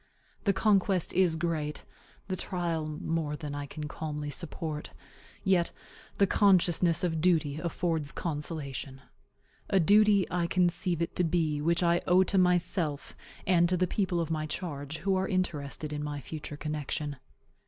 The conquest is great, the trial more than I can calmly support; yet the consciousness of duty affords consolation a duty I conceive it to be which I owe to myself and to the people of my charge, who are interested in my future connection.